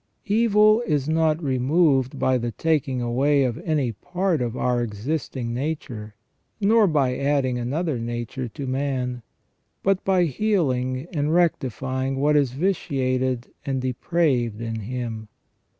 " Evil is not removed by the taking away of any part of our existing nature, nor by adding another nature to man ; but by healing and rectifying what is vitiated and depraved in him.